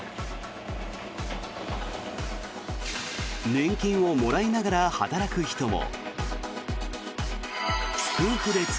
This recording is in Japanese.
年金をもらいながら働く人も。